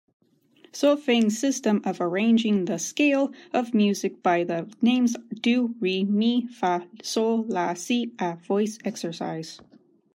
Solfaing system of arranging the scale of music by the names do, re, mi, fa, sol, la, si a voice exercise.